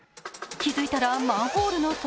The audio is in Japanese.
気づいたらマンホールの底。